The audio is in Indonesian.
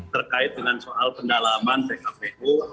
terkait dengan soal pendalaman pkpu